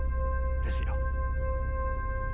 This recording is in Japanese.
ですよ。